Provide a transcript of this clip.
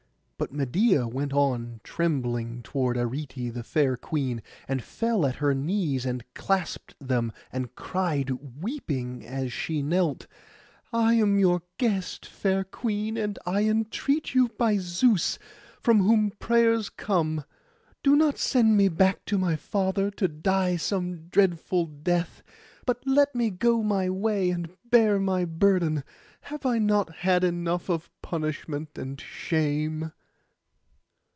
But Medeia went on trembling toward Arete the fair queen, and fell at her knees, and clasped them, and cried, weeping, as she knelt— 'I am your guest, fair queen, and I entreat you by Zeus, from whom prayers come. Do not send me back to my father to die some dreadful death; but let me go my way, and bear my burden. Have I not had enough of punishment and shame?